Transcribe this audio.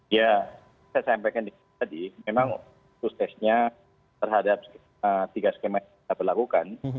ya saya sampaikan tadi memang suksesnya terhadap tiga skema yang kita berlakukan